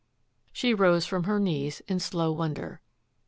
She rose from her knees in slow wonder.